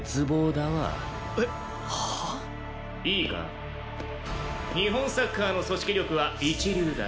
えっはあ？いいか日本サッカーの組織力は一流だ。